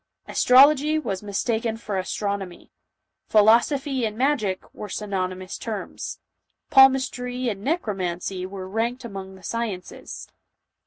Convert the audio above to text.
Astrology was mistaken for astronomy ; philosophy and magic were synony mous terms ; palmistry and necromancy were ranked among the sciences ; the